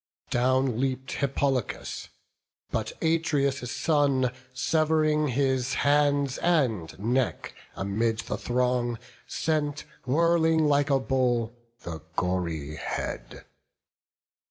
Down leap'd Hippolochus; but Atreus' son Severing his hands and neck, amid the throng Sent whirling like a bowl the gory head.